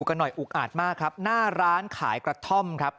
กันหน่อยอุกอาจมากครับหน้าร้านขายกระท่อมครับ